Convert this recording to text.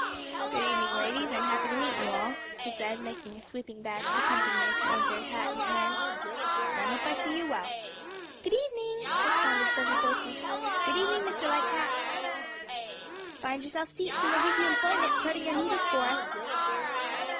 "Good evening, ladies; I'm happy to meet you all," he said, making a sweeping bow to the company as he entered, hat in hand. "And I hope I see you well." "Good evening," responded several voices. "Good evening, Mr. Lightcap." "Find yourselves seats and we'll give you employment, threading our needles for us."